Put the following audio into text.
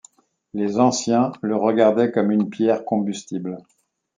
Les Anciens le regardaient comme une pierre combustible.